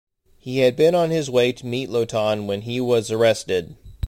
He had been on his way to meet Lotan when he was arrested.